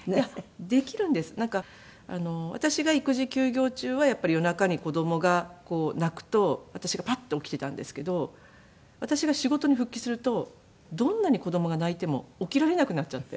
なんか私が育児休業中はやっぱり夜中に子供が泣くと私がパッと起きていたんですけど私が仕事に復帰するとどんなに子供が泣いても起きられなくなっちゃって。